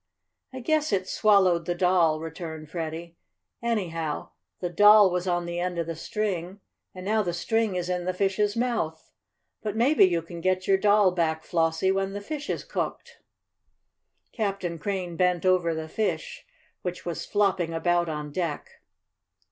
"I guess it swallowed the doll," returned Freddie. "Anyhow the doll was on the end of the string, and now the string is in the fish's mouth. But maybe you can get your doll back, Flossie, when the fish is cooked." Captain Crane bent over the fish, which was flopping about on deck.